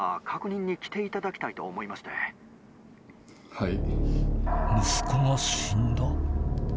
はい。